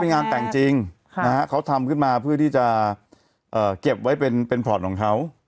เป็นงานแต่งจริงนะฮะเขาทำขึ้นมาเพื่อที่จะเอ่อเก็บไว้เป็นเป็นพอร์ตของเขา